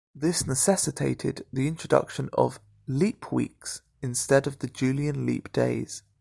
This necessitated the introduction of "leap weeks" instead of the Julian leap days.